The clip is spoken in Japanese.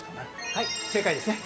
はい正解です。